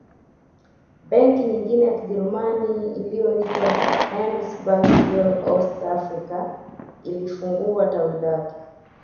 Benki nyingine ya Kijerumani iliyoitwa Handelsbank fuer Ostafrika ilifungua tawi lake